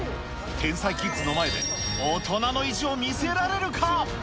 天才キッズの前で、大人の意地を見せられるか。